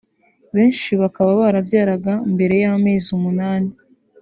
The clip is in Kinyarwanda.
benshi bakaba barabyaraga mbere y’amezi umunani